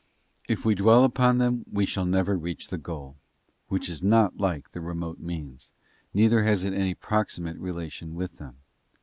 If we dwell upon them we shall never reach the goal, which is not like the remote means, neither has it any proximate relation with them.